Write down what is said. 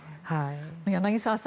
柳澤さん